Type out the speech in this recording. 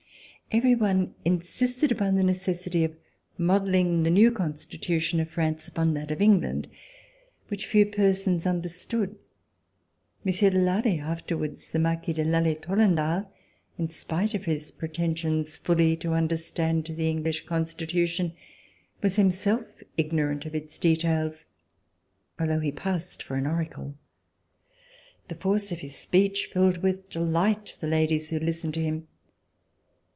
Everyone Insisted upon the necessity of modelling the new Constitution of France upon that of England, which few persons understood. Monsieur de Lally, afterwards the Marquis de Lally Tollendal, in spite of his pretensions fully to understand the English Constitution, was himself ignorant of its details, al though he passed for an oracle. The force of his speech filled with delight the ladies who listened to him.